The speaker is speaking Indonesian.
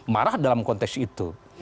marah dalam konteks itu